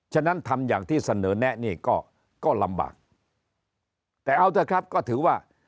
ฉะนั้นทำอย่างที่เสนอแนะนี่ก็ลำบากแต่เอาเถอะครับก็ถือว่า